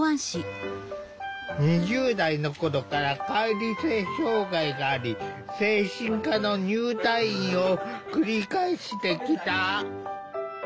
２０代の頃から解離性障害があり精神科の入退院を繰り返してきた。